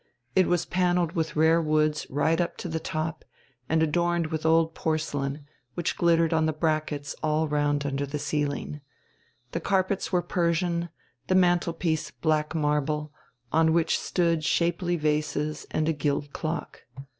It was panelled with rare woods right up to the top, and adorned with old porcelain, which glittered on the brackets all round under the ceiling. The carpets were Persian, the mantelpiece black marble, on which stood shapely vases and a gilt clock.